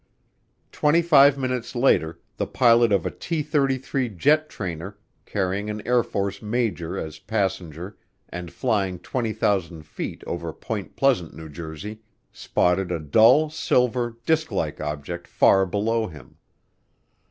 Twenty five minutes later the pilot of a T 33 jet trainer, carrying an Air Force major as passenger and flying 20,000 feet over Point Pleasant, New Jersey, spotted a dull silver, disklike object far below him.